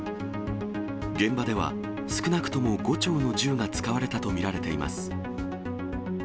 現場では、少なくとも５丁の銃が使われたと見られています。